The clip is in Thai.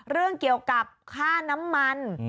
เรื่องเกี่ยวกับค่าน้ำมัน